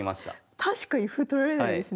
確かに歩取られないですね。